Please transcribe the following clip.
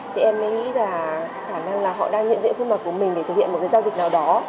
thì em mới nghĩ là khả năng là họ đang nhận diện khuôn mặt của mình để thực hiện một cái giao dịch nào đó